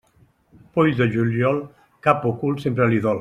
Poll de juliol, cap o cul sempre li dol.